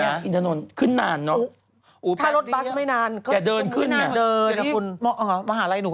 อันนั้นมันขึ้นถึงสวนสตอเบอรี่อะไรนั้นใช่ไหมอีกนั้น